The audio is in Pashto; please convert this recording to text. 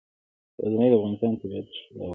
غزني د افغانستان د طبیعت د ښکلا برخه ده.